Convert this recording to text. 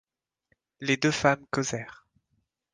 Les deux femmes causèrent.